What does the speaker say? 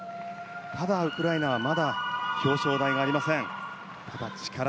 ただ、ウクライナはまだ表彰台がありません。